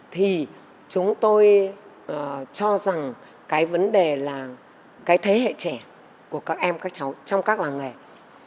thì chúng tôi cho rằng cái vấn đề là cái thế hệ trẻ của các em các cháu trong các làng nghề phải tập trung cao độ